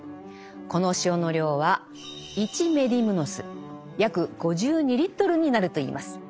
この塩の量は１メディムノス約５２リットルになるといいます。